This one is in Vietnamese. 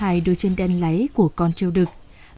hai đôi chân đen láy của con trâu đực